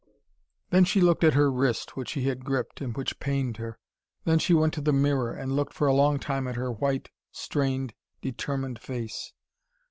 Then she looked at her wrist, which he had gripped, and which pained her. Then she went to the mirror and looked for a long time at her white, strained, determined face.